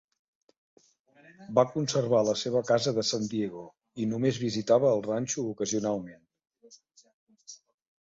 Va conservar la seva casa de San Diego, i només visitava el ranxo ocasionalment.